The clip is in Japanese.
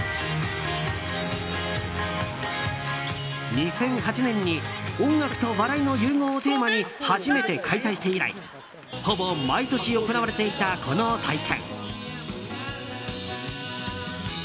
２００８年に音楽と笑いの融合をテーマに初めて開催して以来ほぼ毎年行われていた、この祭典。